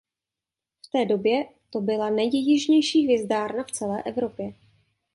V té době to byla nejjižnější hvězdárna v celé Evropě.